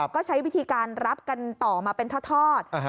ก็ใช้วิธีการรับกันต่อมาเป็นทอด